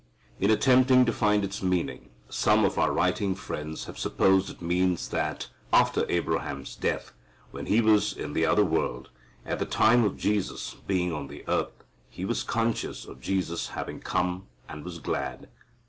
In attempting to find its meaning, some of our writing friends have supposed it means that, after Abraham's death, when he was in the other world, at the time of Jesus being on the earth, he was conscious of Jesus having come and was glad.